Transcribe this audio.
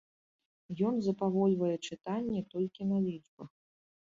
Ён запавольвае чытанне толькі на лічбах.